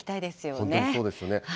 本当にそうですよね。